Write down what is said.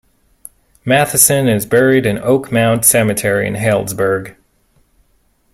Matheson is buried in Oak Mound Cemetery in Healdsburg.